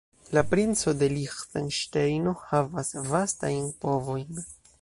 La Princo de Liĥtenŝtejno havas vastajn povojn.